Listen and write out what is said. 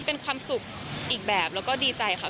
เป็นความสุขอีกแบบแล้วก็ดีใจค่ะ